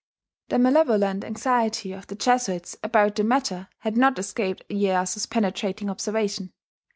The malevolent anxiety of the Jesuits about the matter had not escaped Iyeyasu's penetrating observation.